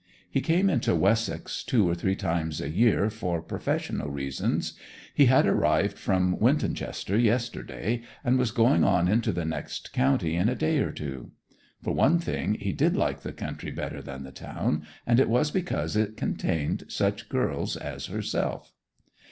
He came into Wessex two or three times a year for professional reasons; he had arrived from Wintoncester yesterday, and was going on into the next county in a day or two. For one thing he did like the country better than the town, and it was because it contained such girls as herself.